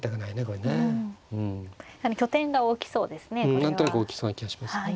うん何となく大きそうな気がしますね。